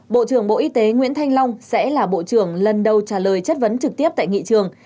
bộ trưởng bộ y tế nguyễn thanh long sẽ là bộ trưởng lần đầu trả lời chất vấn trực tiếp tại nghị trường